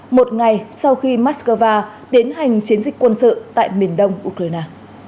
một ngày sau khi moscow tiến hành chiến dịch quân sự tại miền đông ukraine